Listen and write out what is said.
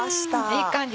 いい感じ